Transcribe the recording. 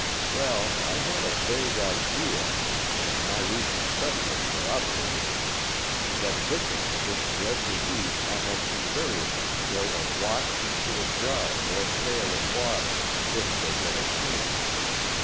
Well, I had a vague idea, and my recent study has corroborated it, that victims of this dread disease almost invariably throw a watch into a jar or pail of water if they get a chance.